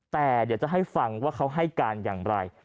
แต่เดี๋ยวจะให้ฟังว่าเขาให้การอย่างไร